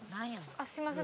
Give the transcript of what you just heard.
あっすみません。